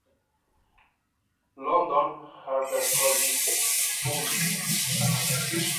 London: Harper Collins Publishers.